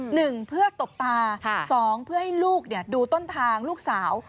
หนึ่งเพื่อตบตาสองเพื่อให้ลูกดูต้นทางลูกสาว